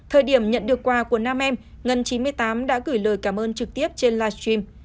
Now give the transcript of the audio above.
thời điểm nhận được quà của nam em ngân chín mươi tám đã gửi lời cảm ơn trực tiếp trên livestream